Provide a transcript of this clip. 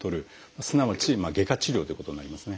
すなわち外科治療ということになりますね。